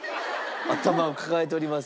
頭を抱えております。